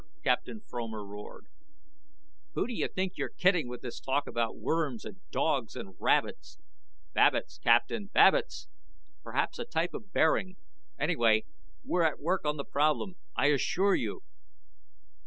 Captain Fromer roared, "who do you think you're kidding with this talk about worms, dogs and rabbits " "Babbitts, Captain, babbitts! Perhaps a type of bearing. Anyway, we're at work on the problem, I assure you."